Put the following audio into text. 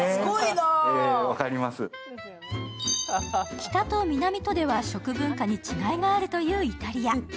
北と南とでは食文化に違いがあるというイタリア。